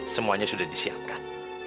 semuanya sudah disiapkan